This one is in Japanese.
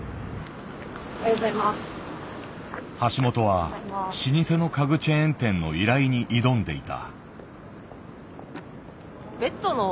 橋本は老舗の家具チェーン店の依頼に挑んでいた。